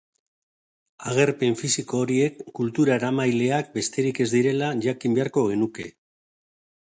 Agerpen fisiko horiek kultura-eramaileak besterik ez direla jakin beharko genuke.